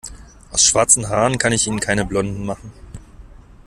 Aus schwarzen Haaren kann ich Ihnen keine blonden machen.